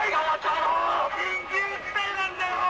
緊急事態なんだよ！